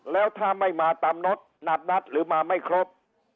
แล้วถ้าไม่มาตามน็อตนัดหรือมาไม่ครบ